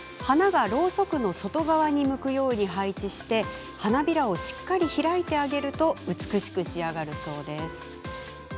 花がろうそくの外側に向くように配置し、花びらを、しっかり開いてあげると美しく仕上がるそうです。